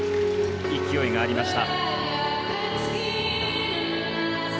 勢いがありました。